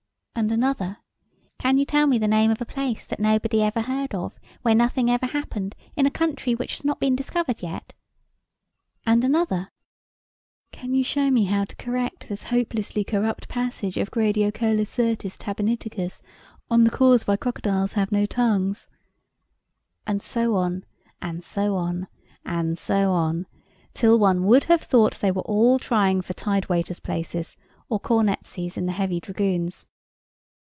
And another, "Can you tell me the name of a place that nobody ever heard of, where nothing ever happened, in a country which has not been discovered yet?" And another, "Can you show me how to correct this hopelessly corrupt passage of Graidiocolosyrtus Tabenniticus, on the cause why crocodiles have no tongues?" And so on, and so on, and so on, till one would have thought they were all trying for tide waiters' places, or cornetcies in the heavy dragoons.